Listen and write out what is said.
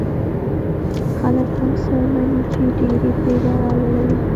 خلک هغه څه مني چې ډېری پرې باور لري.